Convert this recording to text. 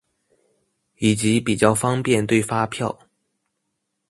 以及比較方便對發票